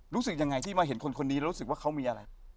รู้สึกยังไงที่มาเห็นคนคนนี้แล้วรู้สึกว่าเขามีอะไร